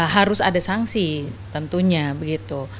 harus ada sanksi tentunya begitu